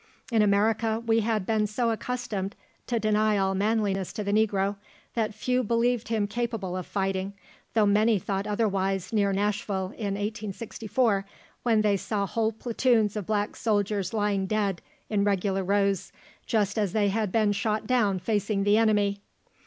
In America we had been so accustomed to deny all manliness to the negro, that few believed him capable of fighting, though many thought otherwise near Nashville in 1864, when they saw whole platoons of black soldiers lying dead in regular rows, just as they had been shot down facing the enemy.